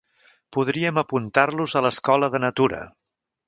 Podríem apuntar-los a l'Escola de natura.